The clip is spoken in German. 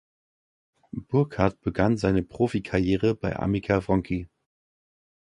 Burkhardt begann seine Profi-Karriere bei Amica Wronki.